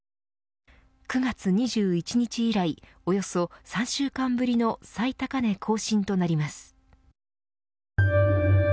９月２１日以来およそ３週間ぶりの最高値更新となります。